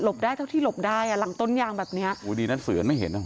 ได้เท่าที่หลบได้อ่ะหลังต้นยางแบบเนี้ยโอ้ดีนั้นเสือไม่เห็นอ่ะ